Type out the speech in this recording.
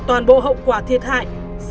toàn bộ hậu quả thiệt hại